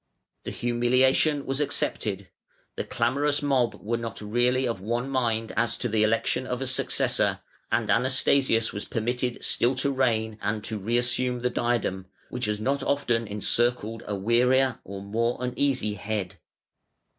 The humiliation was accepted, the clamorous mob were not really of one mind as to the election of a successor, and Anastasius was permitted still to reign and to reassume the diadem, which has not often encircled a wearier or more uneasy head.